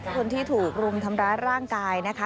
คนที่ถูกรุมทำร้ายร่างกายนะคะ